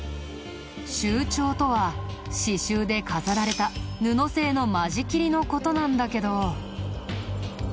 繍帳とは刺繍で飾られた布製の間仕切りの事なんだけど。